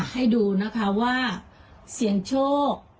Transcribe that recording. ให้ดูนะคะว่าเสียงโชค